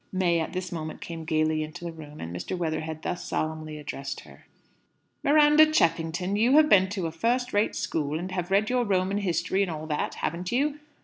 May at this moment came gaily into the room, and Mr. Weatherhead thus solemnly addressed her: "Miranda Cheffington, you have been to a first rate school, and have read your Roman history and all that, haven't you?"